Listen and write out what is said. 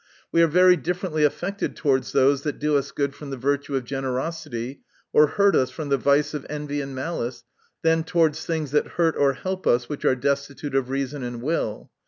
We are very differently affected towards those that do us good from the virtue of generosity, or hurt us from the vice of envy and malice, than towards thinsfs that hurt or help us, which are destitute of reason and will.